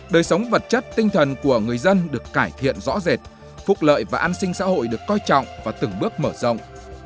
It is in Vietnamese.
đời sống vật chất tinh thần của người dân được cải thiện rõ rệt phúc lợi và an sinh xã hội được coi trọng và từng bước mở rộng